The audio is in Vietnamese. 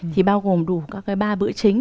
thì bao gồm đủ các cái ba bữa chính